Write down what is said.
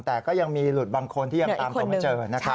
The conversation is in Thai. แต่ก็ยังมีหลุดบางคนที่ยังตามตรงเมืองเจอ